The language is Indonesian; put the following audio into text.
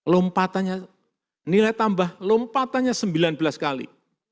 lompatannya nilai tambah lompatannya sembilan belas kali